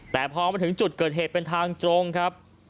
แต่พอมาถึงจุดเกิดเหตุเป็นทางตรงครับ